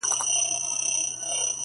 زه او خدای پوهېږو چي هینداري پرون څه ویل-